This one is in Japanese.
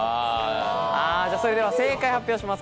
それでは正解を発表します。